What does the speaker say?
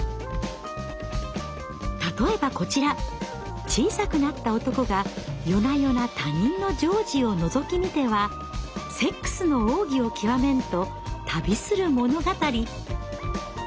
例えばこちら小さくなった男が夜な夜な他人の情事をのぞき見てはセックスの奥義をきわめんと旅する物語。